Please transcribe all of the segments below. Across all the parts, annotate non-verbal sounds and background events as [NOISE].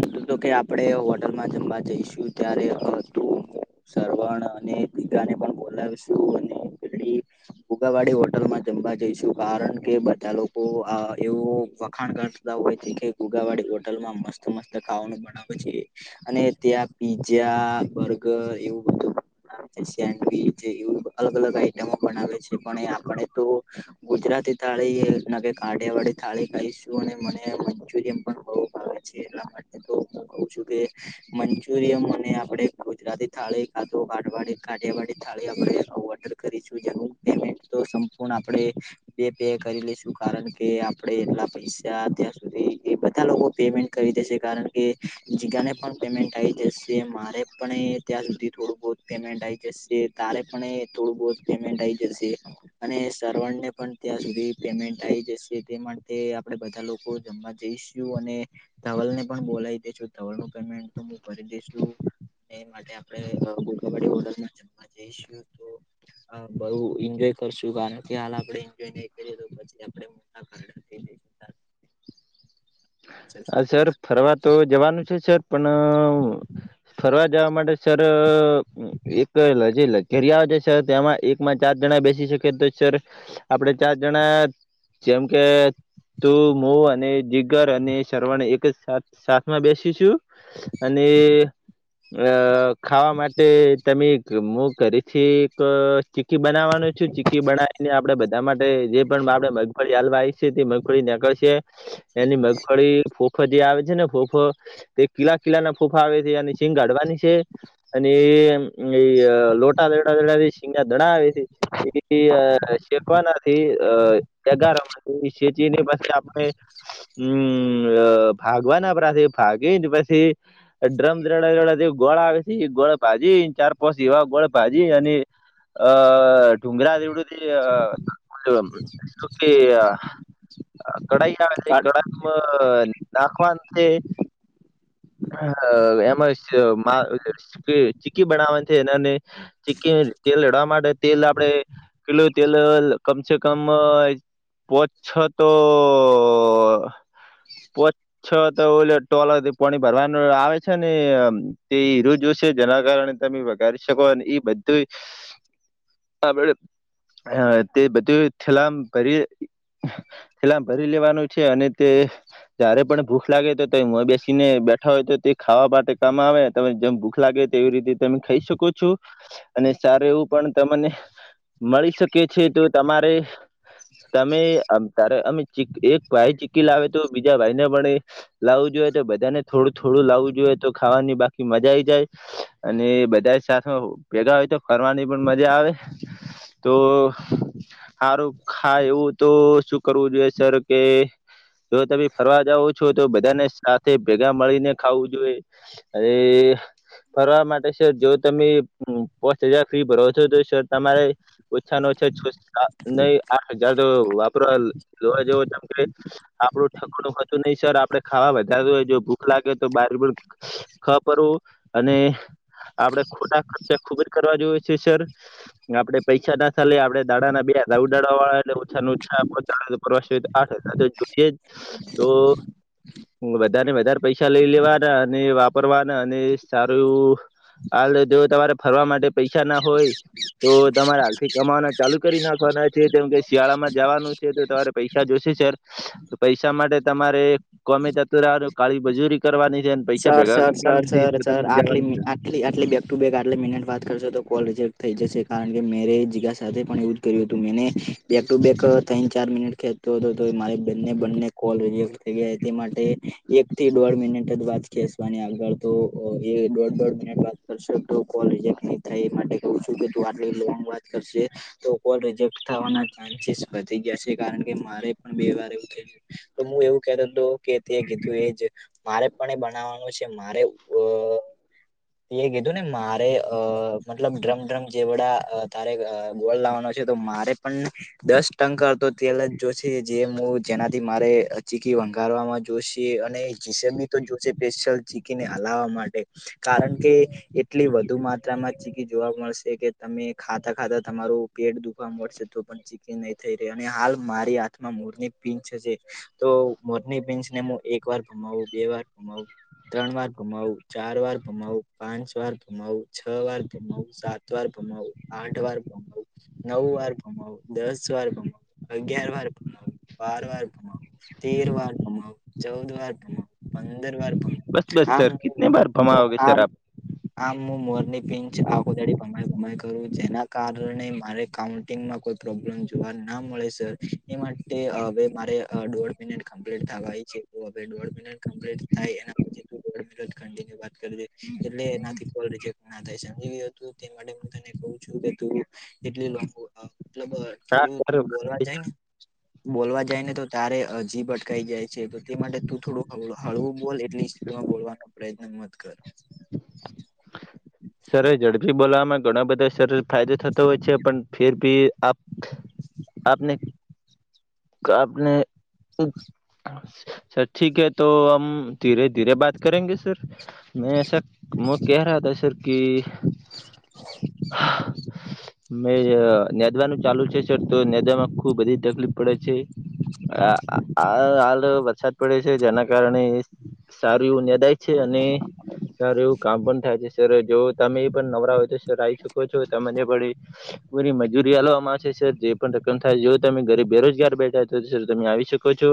હ, તો કે, આપણે હોટલમાં જમવા જઈશું, ત્યારે હતું. સરવણ અને દીઘાને પણ બોલાવીશું, અને પેડી ભુગાવાડી હોટલમાં જમવા જઈશું, કારણ કે બધા લોકો એવું વખાણ કરતા. હોય, ઉગાવાડી હોટલમાં મસ્ત-મસ્ત ખાવાનું બનાવે છે. અને ત્યાં પીઝા, બર્ગર એવું બધું. સેન્ડવીચ એવું અલગ-અલગ આઈટમો બનાવે છે, પણ આપણે તો ગુજરાતી થાળી, કાઢીયાવાળી થાળી ખાઈશું, અને મને મંચુરિયન. એલા માટે તો, હું કઉ છું કે. મંચુરિયમ અને આપડે ગુજરાતી થાળી, કાઢીયાવાડી થાળી આપે. કરી જે, પેમેન્ટ તો સંપૂર્ણ આપણે. બે પે કરી લઈશું, કારણ કે આપડે એટલા પૈસા અત્યાં સુધી એ બધા લોકો પેમેન્ટ. કરી દેશે, કારણ કે જીગાને પણ પેમેન્ટ આવી જશે, મારે પણ. અહિયાં સુધી થોડું બહુ પેમેન્ટ આ આવી જશે તારે, પણ એ થોડું બહુ પેમેન્ટ આઈ જશે. અને સર્વર ને, પણ ત્યાં સુધી પેમેન્ટ આવી જશે, તે માટે આપણે બધા લોકો જમવા જઈશ. અને ધવલ ને, પણ બોલાવી દે, ધવલ નો પેમેન્ટ તો કરી દેશું. એ માટે આપણે હોલ જમવા જઈશું તો. બહુ એન્જોય કરશું, કારણ કે હાલ આપણે એન્જોય નહી કરીએ તો, પછી આપે. તાર હા, શું સર કેવું? ફરવા તો જવાનું છે, સર. પણ ફરવા જવા માટે, સર એક જે લાગે. ઘરિયા આવે છે, સર તેયામાં એકમાં ચાર જણા બેસી શકી તો સર, આપડે ચાર જણા. જેમ કે તું, હું અને જીગર અને શર્વાણે એક જ સાથમાં બેસી છું, અને અ ખાવા માટે તમે, હું ઘરેથી એક ચીકી બનાવાનું છું, ચીકી. બનાવીને, આપણે બધા માટે જે પણ આપણે મગફળી હાલવા આવી, તે મગફળી ખળશે. એની મગફળી. ફફ જે આવે છે ને, ફોફા તે કીલા કિલ્લા ના ફોફા આવે છે, અને સિંગ ગાડવાની છે. અને. એ લોટા દડા, દડા શીંગાદડા આવી એ, શેકવાના. થી અ એગાર માંથી સેચી ની પાછી આપણે હમ [UNINTELLIGIBLE] અ ભાગવાના આપડા ભાગીને, પછી ડ્રમ દ્રડા દડ ગોળ આવે છે એ ગોળ ભાજી ચાર પાસ એવા ગોળ ભાજી અને અ અઅ ડુગરા જેવડું જ અ અ [UNINTELLIGIBLE] શું કેય? કઢાઈ આવે છે કડાઈમાં નાખવાનું છે હ એમાં [UNINTELLIGIBLE] ચીકી બનાવવાની છે એને ચીકી તેલ લડાવા માટે તેલ આપડે કીલું તેલ કમસે કમ પોચ છો તો ઓ ઓ ઓ પોચ છ તો ઓલ ટોલ પોણી ભરવાનું આવે છે ને તે ઈરો જોશે જેના કારણે તમે વગારી શકો અને એ બધું આપડે તે બધું છેેલામ કરીએ સેલામ ભરી લેવાનું છે અને તે જયારે પણ ભૂખ લાગે તો તો હું બેસ ને બેઠા હોય તો તે ખાવા માટે કામ આવે તમે જેમ ભૂખ લાગે એવી રીતે તમે ખાઈ શકો છો અને સારું એવું પણ તમને મળી શકે છે તો તમારે તમે તારે અમે ચી એક ભાઈ ચીકી લાવે તો બીજા [UNINTELLIGIBLE] લાવું જોઈએ તો બધાને થોડું થોડું લાવું જોઈએ તો ખાવાની બાકી મજા આવી જાય અને બધા સાથમાં ભેગા હોય તો ફરવાની પણ મજા આવે તો હારું ખા એવું તો શું કરવું જોઈએ સર કે જો તમે ફરવા જાવો છો તો બધાને સા તે ભેગા મળીને ખાવું જોઈએ અને ફરવા માટે સર જો તમે પોસ હજાર ફી ભરો છો તો સર તમારે ઓછા ન ઓછા છ [UNINTELLIGIBLE] નહી આઠ હજાર તો વાપર લવા જેવોમ કે આપડું ઠકડું હતું નહિ સર આપડે ખાવા કા જોઇ જો ભૂખ લાગે તો બાર પણ ખ પરવું અને આપડે ખુટા ખર્ચા ખૂબ જ કરવા જોએ છે સર આપડે પૈસા ના થાલેે આપણે દાડાના બે દ ઉ દડાવા વાળાટલે ઓછા ઉછા દાડા પ્રવા આઠ હજાર તો જોશે જ તો. વધારે ને વધારે પૈસા લઈ લેવાના અને વાપરવાના અને સારું એવું આ લો જો તમારે ફરવા માટે પૈસા ના હોય તો તમારે હાલથી કમાવાના ચાલુ કરી નાખવાના છે કેમ કે શિયાળામાં જવાનું તો તમારે પૈસા જોશે સર તો પૈસા માટે તમારે ગોમે ત તો રહેવા દો કાળી મજૂરી કરવાની છે પૈસા સર ભેગા સર સર કરવાના છે સર તો સર તમારે આટલી જવાનું છે એટલી આટલી બેક ટુ બેગ આટલી મિનટ વાત કરશો તો કોલ રિજેક્ટ થઈ જશે કારણ કે મેરે જીગા સાથે પણ હતું મે બેક ટુ બેક થ ચાર મિનિટ ખેતો હતો તો મારે બંને બંને કોલ રિજેક્ટ થઈ ગયા તે માટે એક થી દોઢ મિનિટ જ વા કેસવાની આગળ તો એ દોઢ દોઢ મિનિટ વાત કરશે તો કોલ રિજેક્ટ ન થઇ એ માટે કવ છું કે તું આટલી લોંગ વાત કરશે તો કોલ રજેક્ટ થવાના ચાન્સીસ વધી ગયા છે કારણ કે મારે પણ બે વાર એવું થઈ તો હું એવું કેતો હતો કે તે કીધું એજ મારે પણ એ બ બનાવાનું છે મારે બ એ કીધું ને મારે અ મતલબ ડ્રમ ડ્રમ જેવડા તારે ગોળ લાવવાનો છે તો મારે પન દસ ટંકર તો તેલ જ જોશે જે હું જેનાથી મારે ચીકી વંગારવામાં જોશે અને જીસેમી તો જોશે સ્પેશિયલ ચીકી ને હલાવા માટે કારણ કે એટલી વધુ માત્રામાં ચીકી જોવા મળશે કે તમે ખાતા ખાતા તમારું પેટ દુખવા મળશે તો પન ચી નઈ થઈ રેય અને હાલ મારી હાથમાં મોરની પીંછ છે. તો મોરની પિન્સને એક વાર ઘુમાવું બે વાર ઘુમાવું. ત્રણ વાર ઘુમાવું, ચાર વાર ઘુમાવું, પાંચ વાર ઘુમાવું, છ વાર ઘુમાવું, સાત વાર ઘુમાવું, આઠ વાર ઘુમાવું, નવ વાર ઘુમાવું, દસ વાર ઘુમાવું. અગિયાર વાર ઘુમાવ, બાર વાર ઘુમાવ, તેર વાર ઘુમાવ, ચૌદ વાર ઘુમાવ. પંદર વાર, બસ બસ સર કિતને બાર કમાઓગે આમ સર આપ, આમ હું મોરની પિંચ આખો દાડી ભમાઈ ભમાઈ કરું જેના કારણે મારે, કાઉન્ટિંગમાં કોઈ પ્રોબ્લેમ જોવા ના મળે સર એ માટે હવે મારે દો દોઢ મિનટ કમ્પ્લીટ થવા આઇ છે તો હવે દોઢ મિનટ, કમ્પ્લીટ થાય એના પછી તું દોઢ મિનિટ કંટીન્યુ વાત કરજે, એટલે એ નાથી કોલ રિજેક્ટ ના થાય સમજી ગ હતું તે માટે તને કું છું કે તું, એટલી લાબુ આ મતલબ આપ થોડું તું બોલવા જાય ને બોલવા જાય ને તો તારે હજીબ અટ કાઈ જાય છે તો તે માટે તું થોડું હળવું બોલ એટલી સ્પીડમાં બોલવાનો પ્રયત્ન મત કર. સર ઝડપી બોલાવામાં ઘણા બધા, સરળ ફાયદો થતો હોય છે પણ ફેર ભી આપ આપને, આપને, સર ઠીક હે તો હમ ધીરે ધીરે બાત કરેગે સર. મેં સર મુું કેહ રહા તા સર, કી મે ન્યાદવાનું ચાલુ છે સર તો નેદામાં ખુબ બધી તકલીફ પડે છે. આ હાલ હાલ વરસાદ પડે છે જેના કારણે સારું એવું ન્યાદાય. છે અને સારું એવું કામ પણ થાય છે સર, જો તમે એ પણ નવરા હોય તો સર આઈ શકો છો તમને પણ એ. પૂરી મજૂરી હાલવામાં આવશે સર જે પણ રકમ થાય જો તમે ઘરેબ બેરોજગાર બેઠાય તો સર તમે આવી શકો કો છો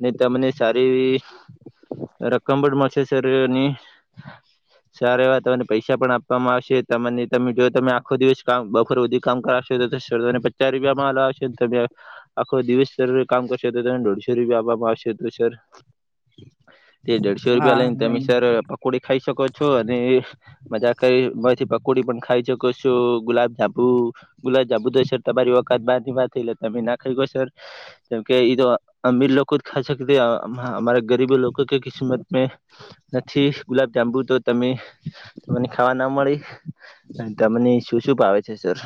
ને તમને સારી એવી, રકમ પણ મળશે સર અની સારે વાતાવ પૈસા પણ આપવામાં આવશે તમને તમે જો તમે આખો દિવસ કામ બપોર સુધી કામ કરાવશો તોને પસા ચા રૂપિયા પણ આલ્વામાં આવશે તમે આખો દિવસ કામ કરશે તો તને દોઢસો રૂપિયા આપવામાં આવશે તો સર, તે દોઢસો રૂપિયા હા લઈને તમે નહી સર પકોડી ખાઈ શકો છો અને, મજા કઇ મંથી પકોડી પણ ખાઈ શકો છો ગુલાબ જાંબુ, ગુલાબ જાબુ ધ સર તમારી ઓકાત બાર ની બાત હ એટે તમે નાખાઈ હકો સર કેમ કે એ તો, અમીર લોકો ખાઇ શકતી હમાર ગરીબી લોકો કે કિસ્મત મે નથી ગુલાબ જાંબુ તો તમે, તમને ખાવા ના મળી અને તમને શું શું ભાવે છે સર.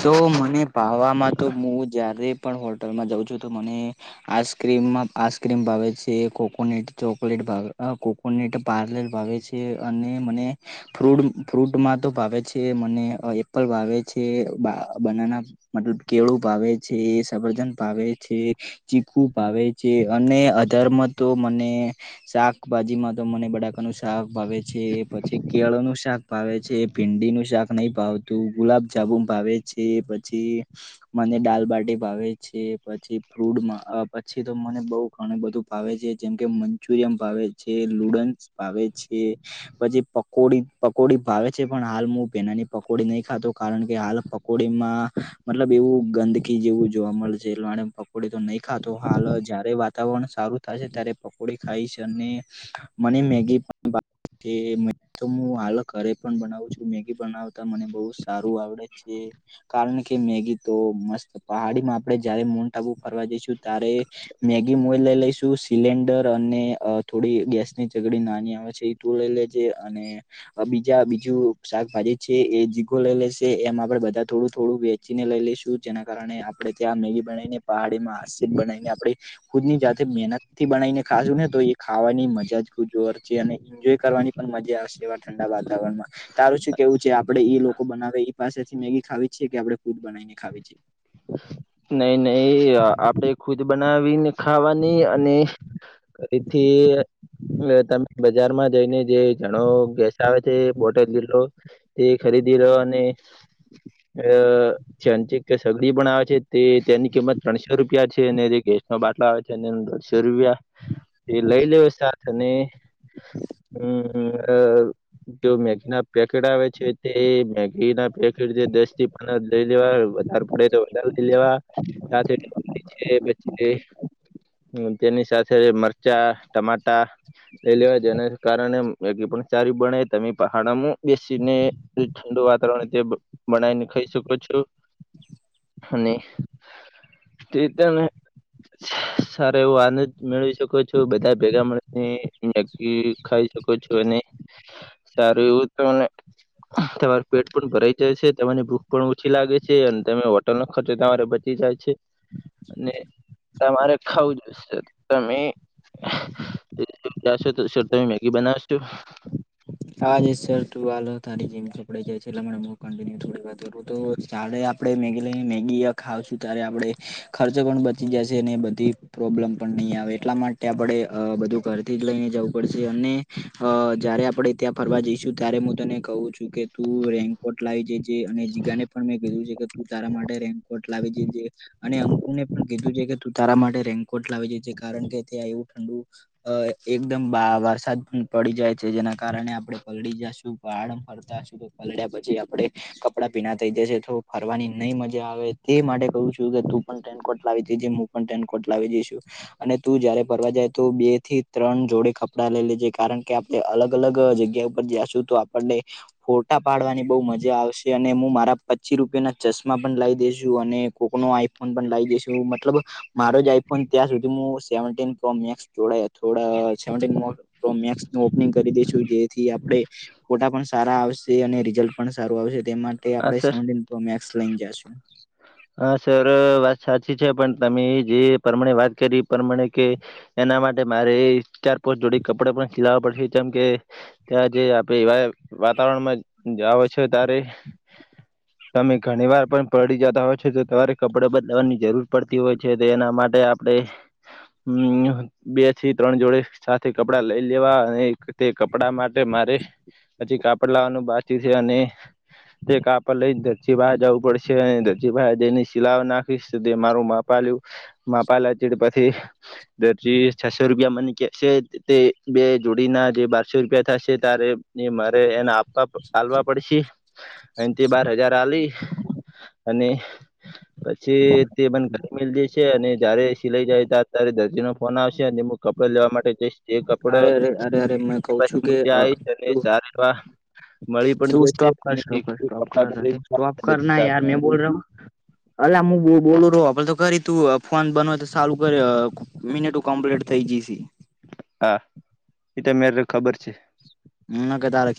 તો મને ભવામાં તો હું જ્યારે પણ હોટલમાં જાઉં છું તો મને. આઈસક્રીમમાં આઈસ્ક્રીમ ભાવે છે કોકોનટ ચોકલેટ ભાવે કો કોનેટ પારલે ભાવે છે અને મને, ફ્રૂટ ફ્રૂટમાં તો ભાવે છે મને અ એપલ ભાવે છે. બનાના મતલબ કેળું ભાવે છે, સબરજન ભાવે છે. ચીકુ ભાવે છે, અને અધર માં તો મને, શાકભાજીમાં તો મને બડાકાનું શાક ભાવે છે પછી કેળા નું શાક, ભાવે છે ભીંડી નું શાક નહી ભાવતું ગુલાબજામુન ભાવે છે પછી, મને દાલબાટી ભાવે છે, પછી ફ્રૂટમાં, પછી તો મને બઉ. ઘણ બધું ભાવે છે, જેમ કે મંચુરિયન ભાવે છે, લુડન્સ ભાવે છે. પછી પકોડી પકોડી ભાવે છે, પણ હાલ, હું હેનાની પકોડી નહી ખાતો, કારણ કે હાલ. પકોડી માં. મતલબ, એવું ગંદકી જેવું જોવા મળશે, એ પપોડી તો નહી ખાતો, હાલ જયારે વાતાવરણ સારું. થાશે, ત્યારે પકોડી ખાઇશ છે, અને મને મેગી પણ ભા તે, તો હું હાલ ઘરે પણ બનાવું છું, મેગી બનાવતા, મને બહુ સારું આવડે છે. એ કારણ કે મેગી તો મસ્ત. પહાડી માં આપણે જયારે મોન્ટ આબુ ફરવા જઈશું ત્યારે. મેગી મોઈલ લઈ લઈશું, સિલિન્ડર અને થોડી ગેસની સગડી નાની આવે છે. તું લઈ લેજ, અને બીજા બીજું શાકભાજી છે, એ જીગો લઈ લેશે એમાં. આપણે બધા થોડું થોડું વેચીને લઈ લઈશું, જેના કારણે આપણે ત્યાં મેગી બનાવીને, પહાડીમાં આત બનાવીને આપણે. ખુદ ની જાતે મહેનતથી બનાવીને ખાશું ને, તો એ ખાવાની મજા જ ખુછ ઓર અને. એન્જોય કરવાની પણ મજા આવશે, એવા ઠંડા વાતાવરણમાં તારું શું કેવું છે, આપડે એ લોકો બનાવે એ પાસે મેગી ખાવી છીએ કે, આપણે ખુદ બનાવીને ખાવી છે? નઈ, નઈ આપડે ખુદ બનાવીને ખાવાની, અને ફરીથી. તમે બજારમાં જઈને, જે જણો ગેસ આવે છે, બોટલ લીલો. તે ખરીદી રહ્યો, અને અ છેં, સગડી પણ આવે છે. તે તેની કિંમત ત્રણસો રૂપિયા છે, અને જે ગેસ નો બાટલો આવે છે, એ દઢસો રૂપિયા. એ લઈ લેવા સાથે, અને હમ. જો મેગી ના પેકેટ આવે છે, તે મેગી ના પેકેટ જે, દસ થી પંદર લઈ લેવા વધારે. આપડે તો વધારે લઈ લેવા. તેની સાથે મરચાં, ટામેટા. લઈ લેવા, જે એના કારણે મેગી પણ સારી બને, તમે પહાડમાં બેસીને ઠંડુ વાતાવરણ તે બનાવીને, ખાઈ શકો છો. અને તે તમેં. સારા એવો આનંદ મેળવી શકો છો, બધા ભેગા મળેને, મેગી ખાઈ શકો છો નહી, સારું એવું તને. તમારું પેટ પણ ભરાઈ જાય છે, તમારી ભૂખ પણ ઓછી લાગે છે, અને તમે ટલ નો ખર્ચો તમારે બચી જાય છે, અને તમારે ખાવું જોઈશે તમે. જશો તો, તમે મેગી બનાવશો. હા જ સર તું, હાલ તારી જીમપડા જાય છે, લે મ કિન્ય થોડી વા. [UNINTELLIGIBLE] આપણે મેગી મેગી ખાવશું, ત્યારે આપડે ખર્ચ પણ બચી જશે અને બધી. પ્રોબ્લેમ પણ નહીં આવે, એટલા માટે આપણે બધું ઘરથી જ લઈને જવું પડશે, અને અ જયારે આપણે ત્યાં ફરવા જઈશું, ત્યારે હું તને કહું છું કે, તું રેન્ક કોર્ટ લાવી જજે, અને જીગાને પણ મે કીધું છે કે, તું તારા માટે રેઈનકોર્ટ લાવી જે. અને અંકુને પણ કીધું છે કે, તું તારા માટે રેઈનકોટ લાવી જે જે કારણ કે ત્યાં એવું ઠંડુ. અ એકદમ બાર વરસાદ પડી જાય છે, જેના કારણે આપણે પલડી જશું, વાડ ફરતાશુ તો પલડ્યા, પછી આપણે કપડાં ભીણા થઈ જશે, તો ફરવાની નહી મજા આવે, તે માટે કવું છું કે, તું પણ રેઇનકોટ લાવી જ જે. પણ ટેનકોર્ટ લાવી જઈશું. અને તું જયારે ફરવા જાય, તો બે થી ત્રણ જોડે કપડાં લઈ લેજે, કારણ કે આપણે અલગ અલગ જગ્યા ઉપર જશું તો, આપણને ફોટા પાડવાની બહુ મજા આવશે, અને હું મારા પચી રૂપિયાના ચશ્મા પણ લઈ દઈશું અને કોકનો આઈ ફોન પણ લાઈ દેશું મતલબ મારો જ આઈફોન ત્યાં સુધી હું સેવન ટીમેક્સ જોડાયા થોડ [UNINTELLIGIBLE] તો મેક્સ ઓપનિંગ કરી દેશું. જેથી આપડે ફોટા પણ સારા આવશે અને રિઝલ્ટ પણ સારું આવશે તેમાં તે હા આપડે સર સેવન ટી ફૌમમેક્સ લઈને જશું હા સર વાત સાચી છે, પણ તમે જે પરમાણે વાત કરી પ્રમાણે કે એના માટે મારે ચાર પોચ જોડી કપડા પણ સિલાવા પડશે ચમ કે ત્યાં જે આપે એવા વાતાવરણમાં જાવ છે ત્યારે તમે ઘણી વાર પણ પલડી જતા હોય છે તો તમારે કપડે બદલાવાની જરૂર પડતી હોય છે. તો એના માટે આપણે હમ બે થી ત્રણ જોડે સાથે કપડા લઈ લેવા અને તે કપડા માટે મારે પછી કાપડ લાવવાનું બાકી છે અને તે કાપડ લઈને દરજી પાહે જવું પડશે અને દરજી પાહે જ ઈને સિલાઓ નાખીશ તે મારું માપ આલયુ માપ આલયા ચેડ પછી દરજી છસો રૂપિયા મને કે છે તે બે જોડીના જે બારસો રૂપિયા થશે ત્યારે મારે એને આપવા આલવા પડશે અહીથી બાર હજાર આલી અને પછી તે મને ઘરે મેલ દેશે અને જયારે સિલાઈ જાય તા ત્યારે દરજીનો ફોન આવશે અને કપડા લેવા માટે જઈશ જે કપડો અરે અરે અરે અરે મેં કઉ છું પછી કે ત્યા આવીશ અને તું સારા એવા મળી પણ તું ગઈ છે સ્ટોપ કર અને સ્ટોપ કર સ્ટોપ કર સ્ટોપ બ કર ના સાત યાર મેં બોલ [UNINTELLIGIBLE] અલા હું બોલું રોહ હોભળ તો ખરી તું ફોન બન તો સાલું કર મિનિટો કમ્પ્લીટ થઇ જઈશે. હા એ તો મેરે ખબર છે. હું તા લેખી [UNINTELLIGIBLE]